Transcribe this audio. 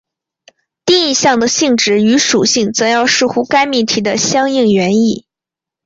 定义项的性质与属性则要视乎该命题的相应原意。